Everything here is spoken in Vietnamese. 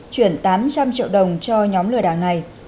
chuyển tám trăm linh triệu đồng cho nhóm lừa đảo này